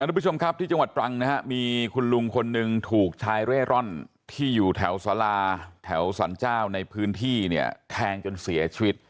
ทุกผู้ชมครับที่จังหวัดตรังนะฮะมีคุณลุงคนหนึ่งถูกชายเร่ร่อนที่อยู่แถวสาราแถวสรรเจ้าในพื้นที่เนี่ยแทงจนเสียชีวิต